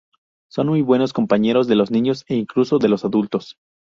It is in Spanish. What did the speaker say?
Son muy buenos compañeros de los niños, e incluso de los adultos.